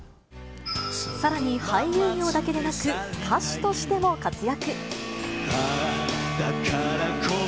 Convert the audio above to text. さらに俳優業だけでなく、歌手としても活躍。